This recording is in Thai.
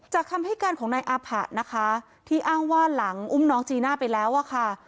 คำให้การของนายอาผะนะคะที่อ้างว่าหลังอุ้มน้องจีน่าไปแล้วอะค่ะ